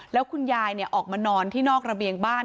แล้วคุณยายออกมานอนที่นอกระเบียงบ้าน